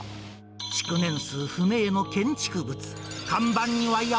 築年数不明の建築物。